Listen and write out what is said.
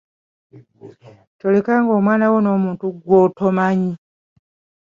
Tolekanga omwana wo n'omuntu gw'otomanyi.